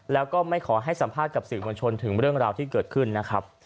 แล้วก็ไม่ขอให้สัมภาษณ์กับสื่อมวลชนถึงเรื่องราวที่เกิดขึ้นนะครับ